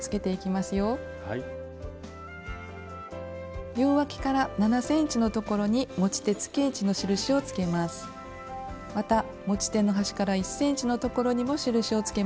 また持ち手の端から１ｃｍのところにも印をつけましょう。